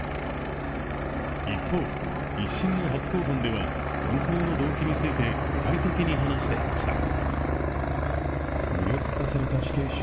一方、１審の初公判では犯行の動機について具体的に話していました。